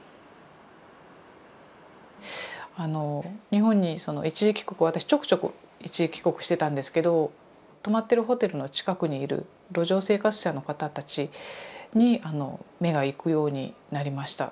日本にその一時帰国私ちょくちょく一時帰国してたんですけど泊まってるホテルの近くにいる路上生活者の方たちに目が行くようになりました。